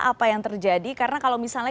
apa yang terjadi karena kalau misalnya